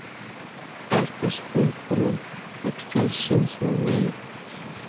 As the school grew, extensions were made.